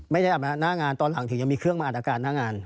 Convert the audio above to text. ไม่ได้มาอัดกันหน้างานตอนหลังถึงยังมีเครื่องมาอัดอากาศหน้างาน